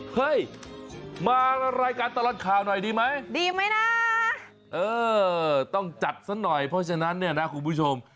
เฮ้ยมารายการตลอดข่าวหน่อยดีไหมดีไหมนะเออต้องจัดซะหน่อยเพราะฉะนั้นเนี่ยนะคุณผู้ชม